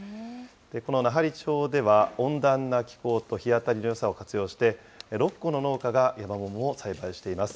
この奈半利町では、温暖な気候と日当たりのよさを活用して、６戸の農家がヤマモモを栽培しています。